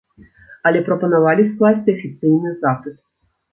Але прапанавалі скласці афіцыйны запыт.